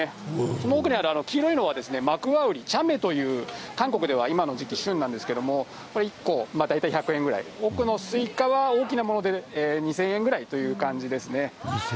その奥にある黄色いのは、マクワウリ、チャメというものなんですけど、韓国では今の時期、旬なんですけども、これ１個大体１００円ぐらい、奥のスイカは大きなもので２０００円ぐらいという感じですね。